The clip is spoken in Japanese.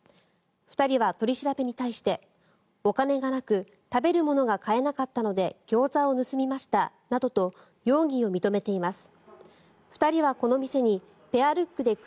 ２人は取り調べに対してお金がなく食べるものが買えなかったのでギョーザを盗みましたなどと容疑を認めています。